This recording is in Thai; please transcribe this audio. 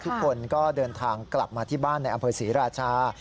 ทุกคนก็เดินทางกลับมาที่บ้านในอำเภอศรีราชา